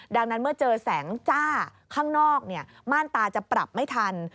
ดังนั้นเมื่อเจอแสงจ้าข้างนอกม่านตาจะปรับไม่ทัน